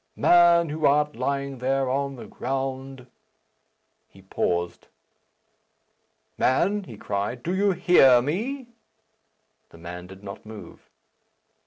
"Man, who art lying there on the ground " He paused. "Man," he cried, "do you hear me?" The man did not move.